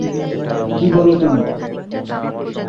কী বলো তুমি?